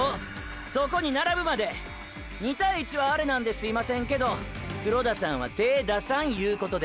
そこに並ぶまで２対１はアレなんですいませんけど黒田さんは手ェ出さんいうことで。